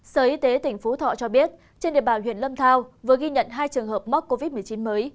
sở y tế tỉnh phú thọ cho biết trên địa bàn huyện lâm thao vừa ghi nhận hai trường hợp mắc covid một mươi chín mới